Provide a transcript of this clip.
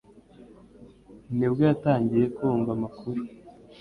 nibwo yatangiye kumva amakuru